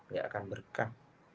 tidak akan berkah